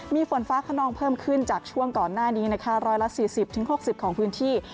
มีฝนฟ้าขนองเพิ่มขึ้นจากช่วงก่อนหน้านี้นะคะ๑๔๐๖๐ของพื้นที่